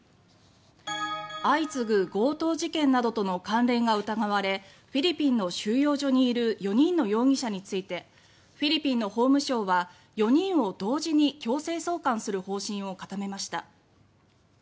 相次ぐ強盗事件などとの関連が疑われフィリピンの収容所にいる４人の容疑者についてフィリピンの法務省は４人を同時に強制送還する方針を固めました。